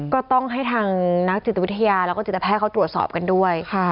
ก็ต้องให้ทางนักจิตวิทยาแล้วก็จิตแพทย์เขาตรวจสอบกันด้วย